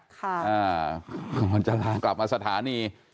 กลับมาสถานี